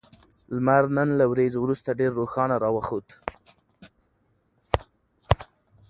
لمر نن له وريځو وروسته ډېر روښانه راوخوت